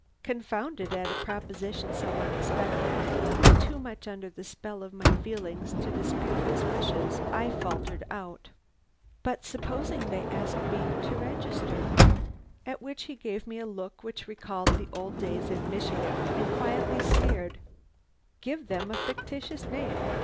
"Confounded at a proposition so unexpected, but too much under the spell of my feelings to dispute his wishes, I faltered out: "'But supposing they ask me to register?' "At which he gave me a look which recalled the old days in Michigan, and quietly sneered: "'Give them a fictitious name.